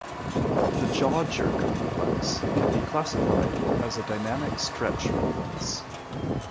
The jaw jerk reflex can be classified as a dynamic stretch reflex.